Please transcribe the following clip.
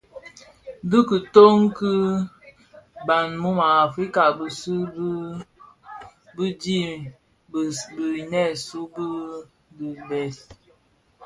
Dhi kitoň ki bhan mu u Africa Bizizig bii dhi binèsun bii bi bès.